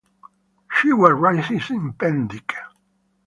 She was raised in Pendik.